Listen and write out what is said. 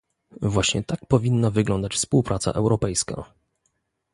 Właśnie tak powinna wyglądać współpraca europejska